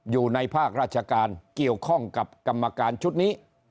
อยู่ในภาคราชการเกี่ยวข้องกับกรรมการชุดนี้